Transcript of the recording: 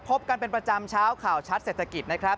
พบกันเป็นประจำเช้าข่าวชัดเศรษฐกิจนะครับ